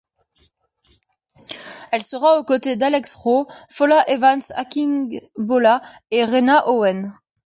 Elle sera aux côtés d'Alex Roe, Fola Evans-Akingbola et Rena Owen.